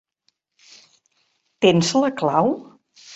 Tens la clau?